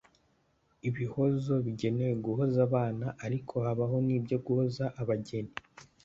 Ibihozo bigenewe guhoza abana ariko habaho n’ibyo guhoza abageni.